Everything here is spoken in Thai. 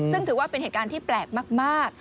ซึ่งถือว่าเป็นเหตุการณ์ที่แปลกมาก